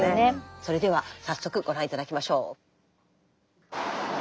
それでは早速ご覧頂きましょう。